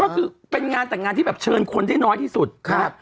ก็คือเป็นงานแต่งงานที่แบบเชิญคนได้น้อยที่สุดครับ